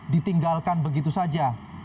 ditinggalkan begitu saja